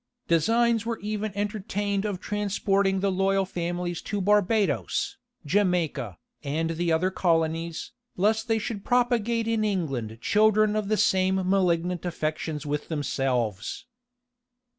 Designs were even entertained of transporting the loyal families to Barbadoes, Jamaica, and the other colonies, lest they should propagate in England children of the same malignant affections with themselves.